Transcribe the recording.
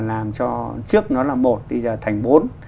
làm cho trước nó là một bây giờ thành bốn